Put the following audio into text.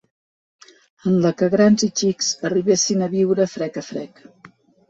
...en la que grans i xics arribessin a viure frec a frec